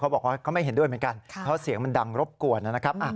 บอกว่าก็ไม่เห็นด้วยเหมือนกันเพราะเสียงมันดังรบกวนนะครับ